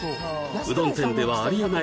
うどん店ではありえない